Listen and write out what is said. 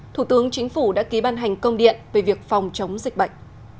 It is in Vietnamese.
thủ tướng chính phủ đã ký ban hành công điện về việc phòng chống dịch bệnh